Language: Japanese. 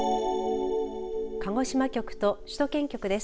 鹿児島局と首都圏局です。